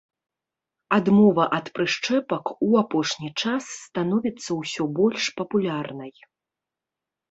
Адмова ад прышчэпак у апошні час становіцца ўсё больш папулярнай.